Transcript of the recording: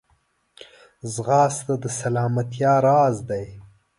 ځغاسته د سلامتیا راز دی